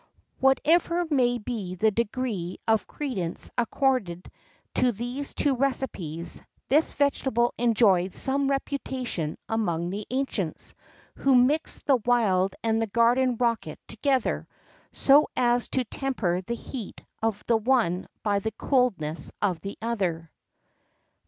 [X 10] Whatever may be the degree of credence accorded to these two recipes, this vegetable enjoyed some reputation among the ancients, who mixed the wild and the garden rocket together, so as to temper the heat of the one by the coldness of the other.